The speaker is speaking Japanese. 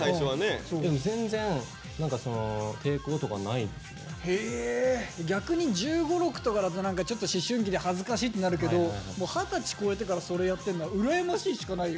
でも全然逆に１５１６とかだとちょっと思春期で恥ずかしいってなるけど二十歳超えてからそれやってるのは羨ましいしかないよ。